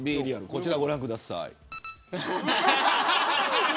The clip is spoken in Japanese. こちらご覧ください。